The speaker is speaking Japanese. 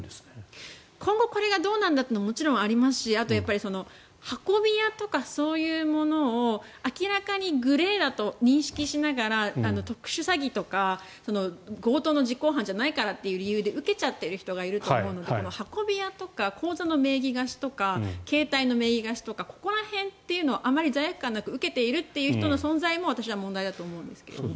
今後これがどうなんだというのはもちろんありますしあと、運び屋とかそういうものを明らかにグレーだと認識しながら特殊詐欺とか強盗の実行犯じゃないからという理由で受けちゃっている人がいると思うので運び屋とか口座の名義貸しとか携帯の名義貸しとかここら辺というのはあまり罪悪感なく受けているという人の存在も私は問題だと思います。